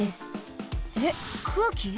えっくうき？